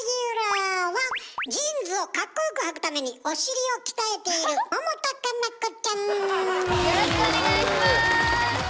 ジーンズをかっこよくはくためにお尻を鍛えているよろしくお願いします。